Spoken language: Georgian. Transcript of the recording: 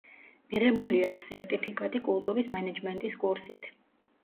მიღებული აქვს სერტიფიკატი კულტურის მენეჯმენტის კურსით.